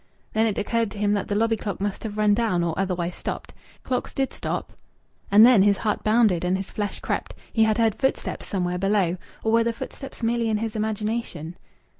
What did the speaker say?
Then it occurred to him that the lobby clock must have run down or otherwise stopped. Clocks did stop.... And then his heart bounded and his flesh crept. He had heard footsteps somewhere below. Or were the footsteps merely in his imagination?